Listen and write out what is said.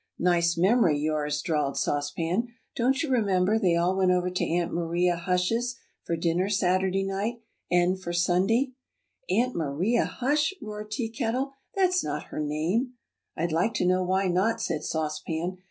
"Nice memory, yours!" drawled Sauce Pan. "Don't you remember they all went over to Aunt Maria Hush's for dinner Saturday night, and for Sunday?" [Illustration: "I'd like to know why not"] "Aunt Maria Hush!" roared Tea Kettle. "That's not her name!" "I'd like to know why not," said Sauce Pan.